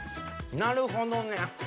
なるほどね。